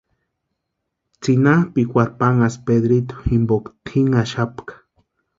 Tsʼinapʼikwarhu panhasti Pedritu jimpoka tinhaxapka.